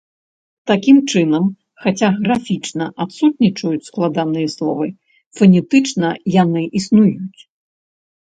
Такім чынам, хаця графічна адсутнічаюць складаныя словы, фанетычна яны існуюць.